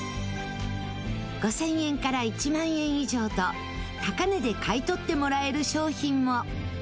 ５０００円から１万円以上と高値で買い取ってもらえる商品も。